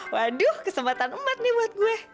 waduh kesempatan emat nih buat gue